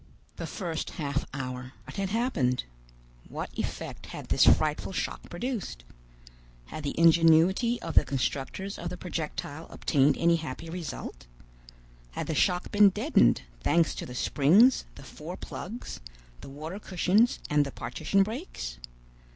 THE FIRST HALF HOUR What had happened? What effect had this frightful shock produced? Had the ingenuity of the constructors of the projectile obtained any happy result? Had the shock been deadened, thanks to the springs, the four plugs, the water cushions, and the partition breaks?